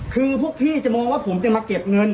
คือพวกพี่จะมองว่าผมจะมาเก็บเงิน